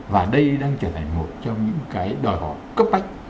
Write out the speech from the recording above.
và đây đang trở thành một trong những cái đòi hỏi cấp bách